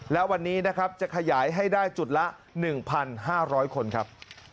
และวันนี้นะครับจะขยายให้ได้จุดละ๑๕๐๐คนครับ